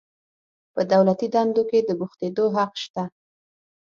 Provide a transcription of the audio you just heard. په دولتي دندو کې د بوختیدو حق شته.